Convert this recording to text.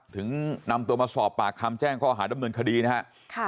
ถึงนำตัวมาสอบปากคำแจ้งข้อหาดำเนินคดีนะครับ